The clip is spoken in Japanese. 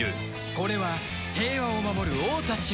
これは平和を守る王たちの物語